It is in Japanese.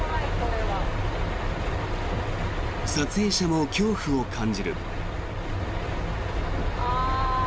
撮影者も恐怖を感じる。